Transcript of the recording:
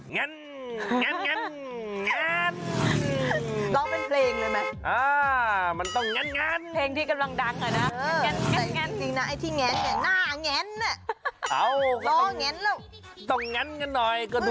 งั้นงั้นงั้น